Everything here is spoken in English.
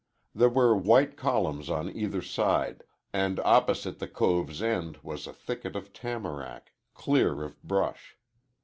There were white columns on either side, and opposite the cove's end was a thicket of tamarack, clear of brush.